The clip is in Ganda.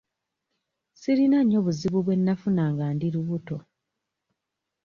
Sirina nnyo buzibu bwe nnafuna nga ndi lubuto.